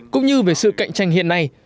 cũng như về sự cạnh tranh hiện nay